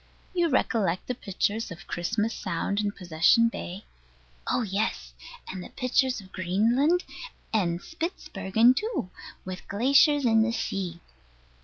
You recollect the pictures of Christmas Sound and Possession Bay? Oh yes, and pictures of Greenland and Spitzbergen too, with glaciers in the sea.